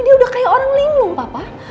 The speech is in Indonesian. dia udah kayak orang linglung papa